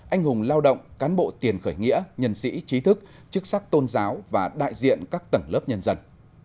anh hùng lao động cán bộ tiền khởi nghĩa nhân sĩ trí thức chức sắc tôn giáo và đại diện các tầng lớp nhân dân